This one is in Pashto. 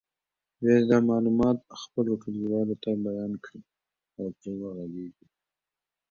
بیا دې دا معلومات خپلو ټولګیوالو ته بیان کړي او پرې وغږېږي.